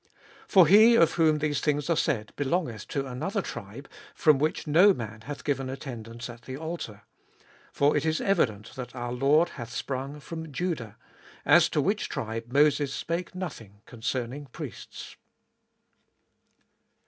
13. For he of whom these things are said belongeth to another tribe, from which no man hath given attendance at the altar. 14. For it is evident that our Lord hath sprung from Judah ; as to which tribe Moses spake nothing concerning priests.